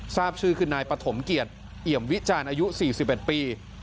ทราบชื่อคือนายปฐมเกียรติเอี่ยมวิจารณ์อายุ๔๑ปี